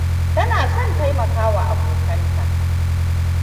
Tana son taimakawa abokanta.